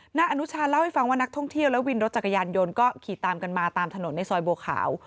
อนุชาเล่าให้ฟังว่านักท่องเที่ยวและวินรถจักรยานยนต์ก็ขี่ตามกันมาตามถนนในซอยบัวขาว